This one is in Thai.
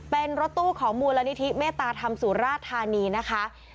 เป็นรถตู้ของมูลนิธิเมตตาธรรมสุราธานีนะคะ